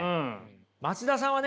松田さんはね